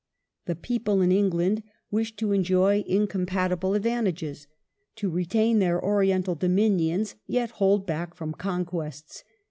The people in England wished to enjoy incompatible advantages — to retain their oriental dominions, yet hold back from conquests.